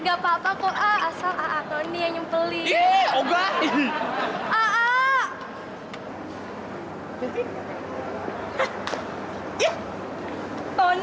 gak apa apa kok asal a'a tony yang nyempelin